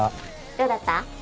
どうだった？